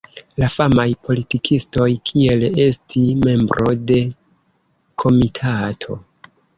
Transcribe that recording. La famaj politikistoj kiel estis membro de komitato.